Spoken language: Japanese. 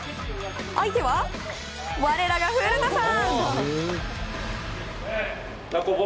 相手は、我らが古田さん！